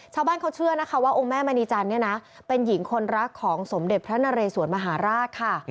ชาวบ้านเขาเชื่อนะคะว่าองค์แม่มณีจันทร์เนี่ยนะเป็นหญิงคนรักของสมเด็จพระนเรสวนมหาราชค่ะ